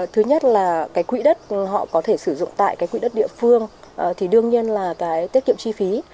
thứ nhất là cái quỹ đất họ có thể sử dụng tại cái quỹ đất địa phương thì đương nhiên là cái tiết kiệm chi phí